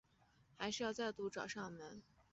还是再度找上门